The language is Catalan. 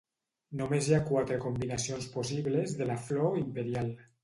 Només hi ha quatre combinacions possibles de la flor imperial.